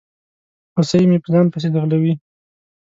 هوسۍ مې په ځان پسي ځغلوي